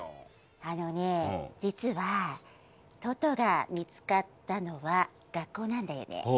あのね、実は、トトが見つかったのは、学校なんだよね。